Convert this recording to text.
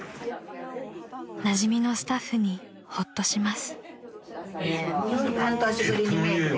［なじみのスタッフにほっとします］